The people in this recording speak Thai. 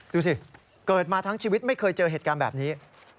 ดูสิเกิดมาทั้งชีวิตไม่เคยเจอเหตุการณ์แบบนี้